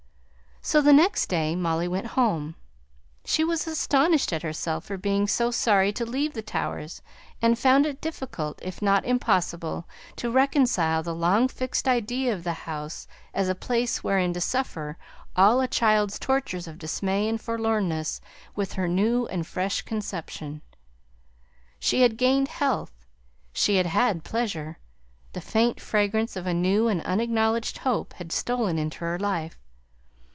The next day Molly went home; she was astonished at herself for being so sorry to leave the Towers; and found it difficult, if not impossible, to reconcile the long fixed idea of the house as a place wherein to suffer all a child's tortures of dismay and forlornness with her new and fresh conception. She had gained health, she had had pleasure, the faint fragrance of a new and unacknowledged hope had stolen into her life.